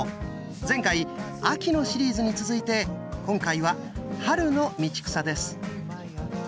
前回秋のシリーズに続いて今回は春の道草です。